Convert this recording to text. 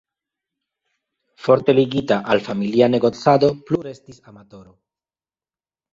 Forte ligita al familia negocado plu restis amatoro.